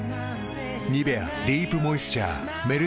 「ニベアディープモイスチャー」メルティタイプ